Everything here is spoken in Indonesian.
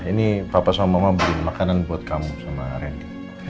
ini papa sama mama beli makanan buat kamu sama randy